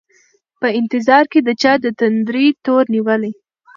په انتظار کي د چا دتندري تور نیولي